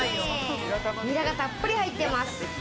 ニラがたっぷり入ってます。